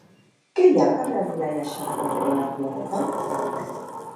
Què hi ha al carrer Almirall Aixada cantonada Riereta?